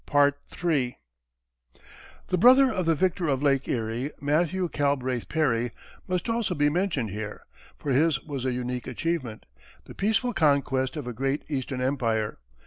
The brother of the victor of Lake Erie, Matthew Calbraith Perry, must also be mentioned here, for his was a unique achievement the peaceful conquest of a great Eastern empire.